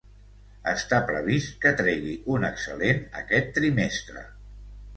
Està previst que tregui un excel·lent aquest trimestre.